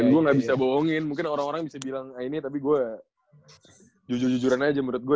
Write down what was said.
dan gue gak bisa bohongin mungkin orang orang bisa bilang ini tapi gue jujur jujuran aja menurut gue ya